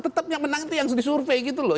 tetap yang menang itu yang disurvey gitu loh